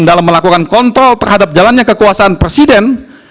dalam melakukan kontrol terhadap jalannya kekuasaan presiden